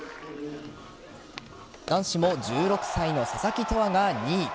男子も１６歳の佐々木音憧が２位。